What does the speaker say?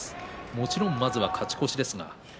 もちろんまずは勝ち越しですが。